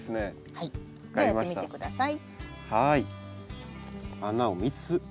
はい。